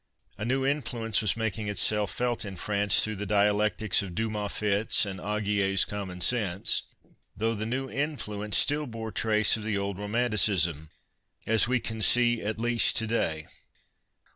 A new influence was making itself felt in France, through the dialectics of Dumas fits and Augier's commonsense, though the new influence still bore trace of the old romanticism, as we can see at least to day.